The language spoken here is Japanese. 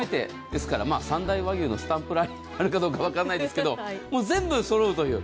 ですから三大和牛のスタンプラリーになるかどうか分からないですが全部揃うという。